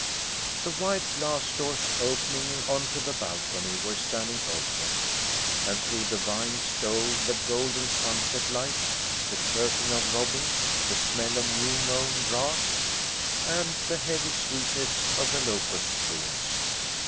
The wide glass doors opening on to the balcony were standing open, and through the vines stole the golden sunset light, the chirping of robins, the smell of new mown grass, and the heavy sweetness of the locust blooms.